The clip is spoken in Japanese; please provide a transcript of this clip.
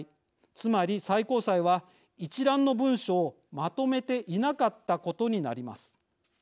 つまり最高裁は一覧の文書をまとめていなかったことになります。